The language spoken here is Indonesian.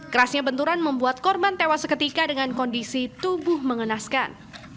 kerasnya benturan membuat korban tewas seketika dengan kondisi tubuh mengenaskan